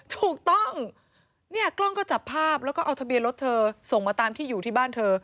ถูกต้องเนี่ยกล้องก็จับภาพแล้วก็เอาทะเบียนรถเธอส่งมาตามที่อยู่ที่บ้านเธอ